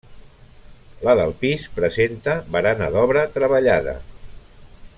La del pis presenta barana d'obra treballada.